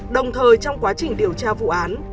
đồng thời trong quá trình điều tra vụ án